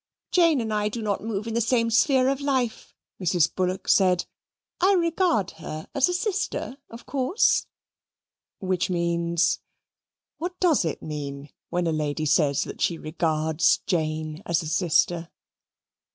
"Jane and I do not move in the same sphere of life," Mrs. Bullock said. "I regard her as a sister, of course" which means what does it mean when a lady says that she regards Jane as a sister?